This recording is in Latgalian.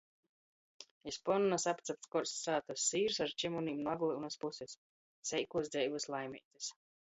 Iz ponnys apcapts korsts sātys sīrs ar čymynim nu Aglyunis pusis. Seikuos dzeivis laimeitis.